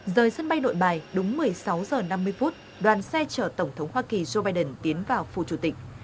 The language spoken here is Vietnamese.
rời sân bay nội bài đúng một mươi sáu h năm mươi đoàn xe chở tổng thống hoa kỳ joe biden tiến vào phủ chủ tịch